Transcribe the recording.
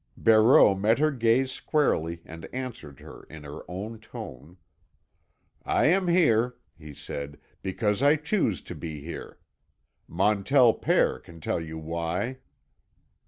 Barreau met her gaze squarely and answered her in her own tone. "I am here," he said, "because I choose to be here. Montell pere can tell you why."